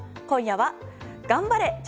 今夜は、頑張れ！